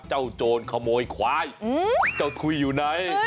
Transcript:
เจ้าโจรขโมยขวายเจ้าทุยอยู่ไหน